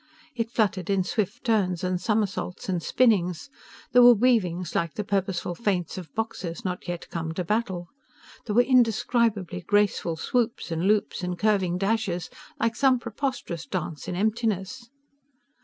It fluttered in swift turns and somersaults and spinnings. There were weavings like the purposeful feints of boxers not yet come to battle. There were indescribably graceful swoops and loops and curving dashes like some preposterous dance in emptiness.